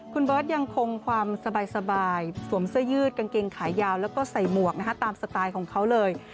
คุณเบิร์ตยังคงความสบายสวมเสื้อยืดกางเกงขายาวแล้วก็ใส่หมวกตามสไตล์ของเขาเลย